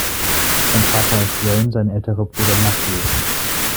Sein Vater heißt Wayne, sein älterer Bruder Matthew.